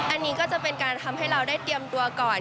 อันนี้ก็จะเป็นการทำให้เราได้เตรียมตัวก่อน